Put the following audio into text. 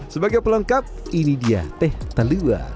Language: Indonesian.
sebagai pelengkap ini dia teh telua